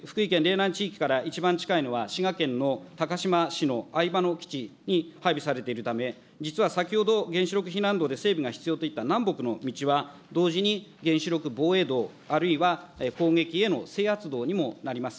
なん地域から一番近いのは滋賀県の高島市のあいばの基地に配備されているため、実は先ほど原子力避難道で整備が必要といった南北の道は、同時に原子力防衛道、あるいは攻撃への制圧道にもなります。